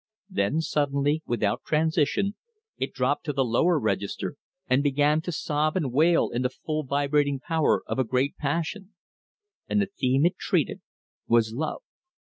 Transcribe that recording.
Then suddenly, without transition, it dropped to the lower register, and began to sob and wail in the full vibrating power of a great passion. And the theme it treated was love.